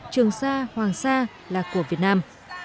trường xa hoàng xa là của việt nam